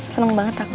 seneng banget aku